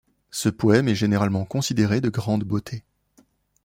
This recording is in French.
Ce poème est généralement considéré de grande beauté.